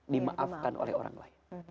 dimaafkan oleh orang lain